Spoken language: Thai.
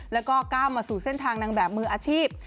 แล้วก็ก้าวมาสู่เส้นทางนางแบบมืออาชีพ